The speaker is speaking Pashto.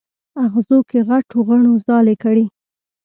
اغزو کې غټو غڼو ځالې کړي